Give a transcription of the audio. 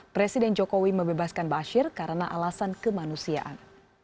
presiden jokowi mebebaskan ba'asyir karena alasan kemanusiaan